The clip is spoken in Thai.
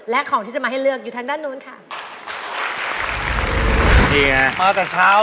และของที่จะมาให้เลือกอยู่ทางด้านนู้นค่ะ